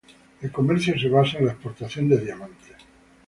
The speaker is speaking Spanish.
El comercio se basa en la exportación de diamantes.